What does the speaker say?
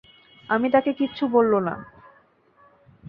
আমি তাকে কিচ্ছু বলল না।